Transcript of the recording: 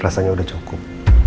rasanya udah cukup